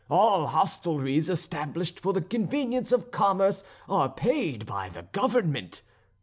All hostelries established for the convenience of commerce are paid by the government.